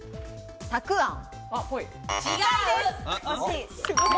たくあん。